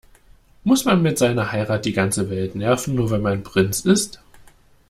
Muss man mit seiner Heirat die ganze Welt nerven, nur weil man Prinz ist?